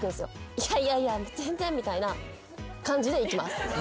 「いやいやいや全然」みたいな感じでいきます。